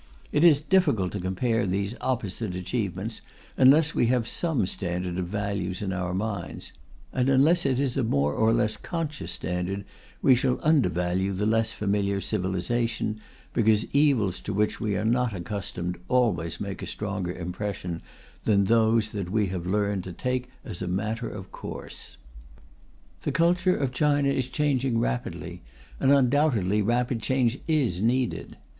It is difficult to compare these opposite achievements unless we have some standard of values in our minds; and unless it is a more or less conscious standard, we shall undervalue the less familiar civilization, because evils to which we are not accustomed always make a stronger impression than those that we have learned to take as a matter of course. The culture of China is changing rapidly, and undoubtedly rapid change is needed.